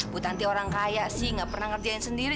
bu tanti orang kaya sih nggak pernah ngerjain sendiri